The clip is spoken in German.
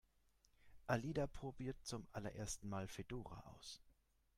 Alida probiert zum allerersten Mal Fedora aus.